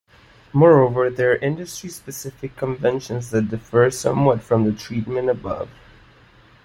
Moreover, there are industry-specific conventions that differ somewhat from the treatment above.